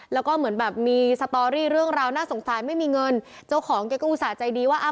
แล้วก็เหมือนแบบมีสตอรี่เรื่องราวน่าสงสัยไม่มีเงินเจ้าของแกก็อุตส่าห์ใจดีว่าอ่า